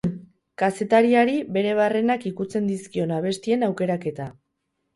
Kazetariari bere barrenak ikutzen dizkion abestien aukeraketa.